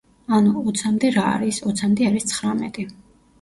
ანუ, ოცამდე რა არის? ოცამდე არის ცხრამეტი.